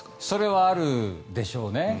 それはあるでしょうね。